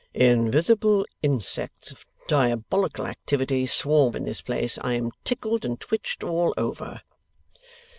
'Invisible insects of diabolical activity swarm in this place. I am tickled and twitched all over.